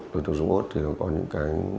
đối tượng dũng út thì nó có những cái